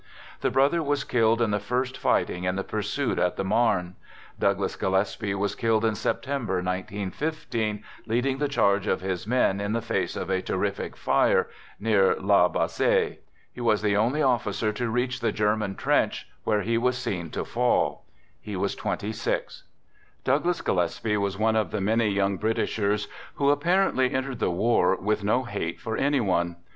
The brother ^jas killed in the first fighting in the pursuit at the Marne. Douglas Gillespie was killed in September, *9i5> leading the charge of his men in the face of a terrific fire near La Bassee. He was the only officer to reach the German trench, where he was seen to Douglas Gillespie was one of the many young 79 Digitized by 8o "THE GOOD SOLDIER Britishers who apparently entered the war with no hate for any one.